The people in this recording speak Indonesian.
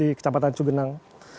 di kecamatan cugenang